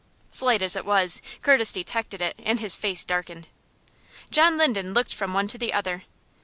Slight as it was, Curtis detected it, and his face darkened. John Linden looked from one to the other.